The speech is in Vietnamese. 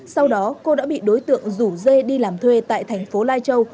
sau đó cô đã bị đối tượng rủ dê đi làm thuê tại thành phố lai châu